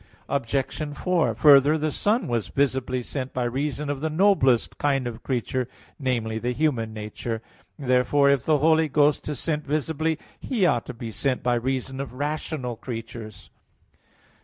Obj. 4: Further, the Son was visibly sent by reason of the noblest kind of creature namely, the human nature. Therefore if the Holy Ghost is sent visibly, He ought to be sent by reason of rational creatures.